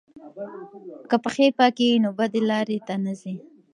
که پښې پاکې وي نو بدې لارې ته نه ځي.